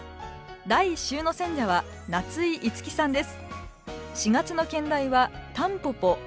第１週の選者は夏井いつきさんです。